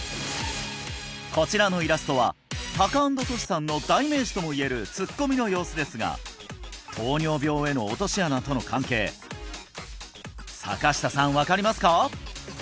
こちらのイラストはタカアンドトシさんの代名詞ともいえるツッコミの様子ですが糖尿病への落とし穴との関係坂下さん分かりますか？